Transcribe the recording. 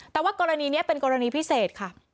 แต่ว่ากรณีนี้เป็นกรณีพิเศษค่ะ